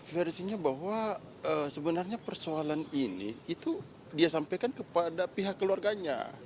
versinya bahwa sebenarnya persoalan ini itu dia sampaikan kepada pihak keluarganya